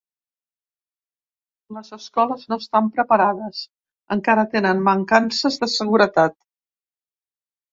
Les escoles no estan preparades, encara tenen mancances de seguretat.